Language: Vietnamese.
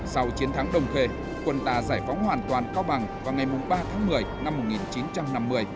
sau chiến thắng đông khê quân ta giải phóng hoàn toàn cao bằng vào ngày ba tháng một mươi năm một nghìn chín trăm năm mươi